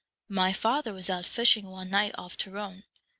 My father was out fishing one night off Tyrone.